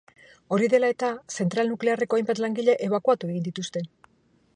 Hori dela eta zentral nuklearreko hainbat langile ebakuatu egin dituzte.